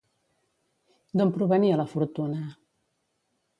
D'on provenia la fortuna?